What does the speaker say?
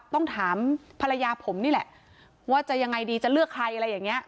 ต้องถามภรรยาผมนี่แหละว่าจะยังไงดีจะเลือกใครอะไรอย่างนี้